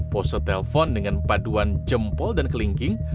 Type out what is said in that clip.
pose telpon dengan paduan jempol dan kelingking